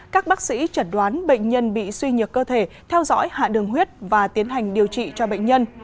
các bác sĩ chẩn đoán bệnh nhân bị suy nhược cơ thể theo dõi hạ đường huyết và tiến hành điều trị cho bệnh nhân